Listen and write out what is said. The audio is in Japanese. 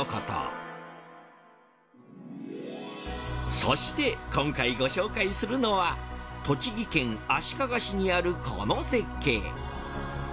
皆さんそして今回ご紹介するのは栃木県足利市にあるこの絶景。